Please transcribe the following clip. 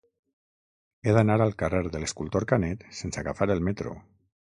He d'anar al carrer de l'Escultor Canet sense agafar el metro.